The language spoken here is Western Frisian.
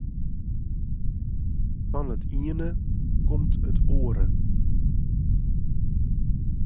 Fan it iene komt it oare.